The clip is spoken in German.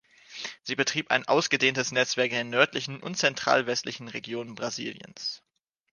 Sie betrieb ein ausgedehntes Netzwerk in den nördlichen und zentral-westlichen Regionen Brasiliens.